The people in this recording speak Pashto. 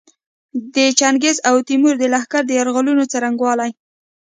د چنګیز او تیمور د لښکرو د یرغلونو څرنګوالي.